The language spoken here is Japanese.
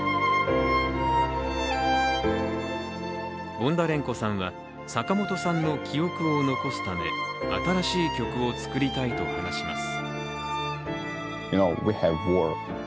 ボンダレンコさんは坂本さんの記憶を残すため新しい曲を作りたいと話します。